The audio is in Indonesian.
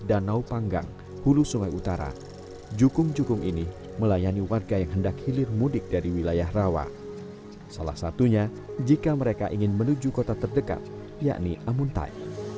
dan juga mereka ingin menuju kota terdekat yakni amuntai